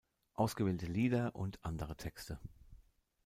Ausgewählte Lieder und andere Texte.